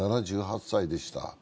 ７８歳でした。